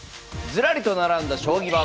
ずらりと並んだ将棋盤。